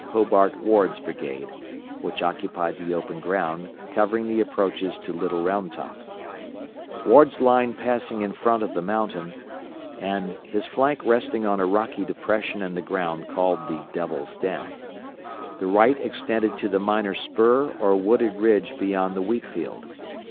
Hobart Ward's brigade, which occupied the open ground covering the approaches to Little Round Top; Ward's line passing in front of the mountain, and his flank resting on a rocky depression in the ground called the Devil's Den. The right extended to the minor spur or wooded ridge beyond the wheat field.